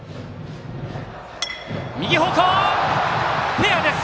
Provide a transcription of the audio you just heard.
フェアです！